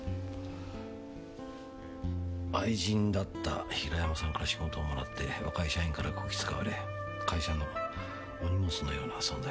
愛人だった平山さんから仕事をもらって若い社員からこき使われ会社のお荷物のような存在だ。